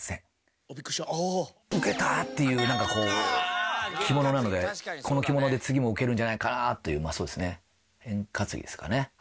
「ウケた」っていうなんかこう着物なのでこの着物で次もウケるんじゃないかなというそうですね